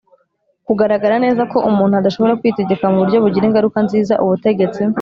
kugaragara neza ko umuntu adashobora kwitegeka mu buryo bugira ingaruka nziza Ubutegetsi